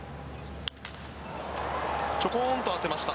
ちょこんと当てました。